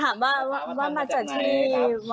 แต่ถามว่ามักใช้จากที่ว